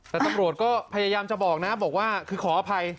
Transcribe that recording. แต่ตำรวจก็พยายามจะบอกนะบอกว่าคือขออภัย